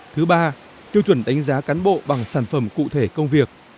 thứ ba tiêu chuẩn đánh giá cán bộ bằng sản phẩm cụ thể công việc